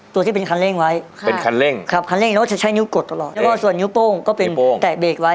ตัวที่เป็นคันเร่งไว้คันเร่งเราก็จะใช้นิ้วกดตลอดแล้วก็ส่วนนิ้วโป้งก็เป็นแตะเบรกไว้